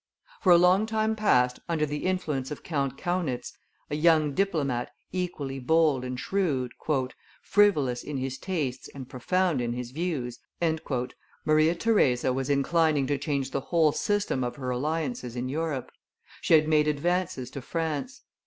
For a long time past, under the influence of Count Kaunitz, a young diplomat equally bold and shrewd, "frivolous in his tastes and profound in his views," Maria Theresa was inclining to change the whole system of her alliances in Europe; she had made advances to France.